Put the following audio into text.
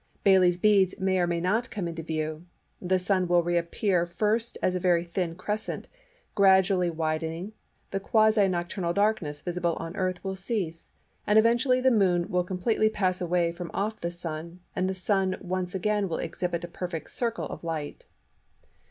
Baily's Beads may or may not come into view; the Sun will reappear first as a very thin crescent, gradually widening; the quasi nocturnal darkness visible on the Earth will cease, and eventually the Moon will completely pass away from off the Sun, and the Sun once again will exhibit a perfect circle of light.